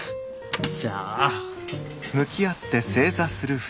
じゃあ。